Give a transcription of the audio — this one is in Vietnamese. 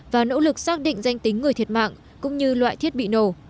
và nỗ lực xác định danh tính người thiệt mạng cũng như loại thiết bị nổ